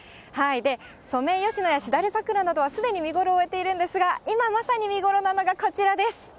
ソメイヨシノやしだれ桜などはすでに見ごろを終えているんですが、今、まさに見頃なのがこちらです。